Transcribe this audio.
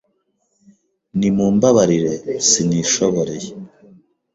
ni mu mbabarire sinishoboreye